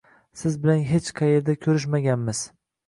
Siz bilan hech qaerda ko`rishmaganmiz